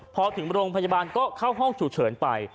พอถึงโรงพยาบาลก็เข้าห้องฉุกเฉินไป